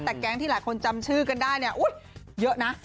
แต่แก๊งที่หลายคนจำชื่อกันได้เนี่ยอุ๊ยเยอะนะ